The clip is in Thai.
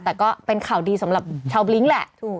แต่ก็เป็นข่าวดีสำหรับชาวบลิ้งแหละถูก